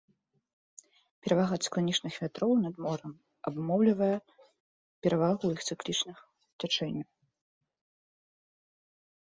Перавага цыкланічных вятроў над морам абумоўлівае абумоўлівае перавагу ў іх цыкланічных цячэнняў.